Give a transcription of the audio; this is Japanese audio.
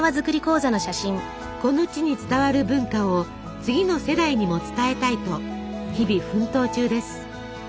この地に伝わる文化を次の世代にも伝えたいと日々奮闘中です。